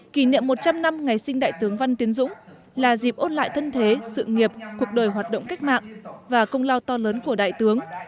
kỷ niệm một trăm linh năm ngày sinh đại tướng văn tiến dũng là dịp ôn lại thân thế sự nghiệp cuộc đời hoạt động cách mạng và công lao to lớn của đại tướng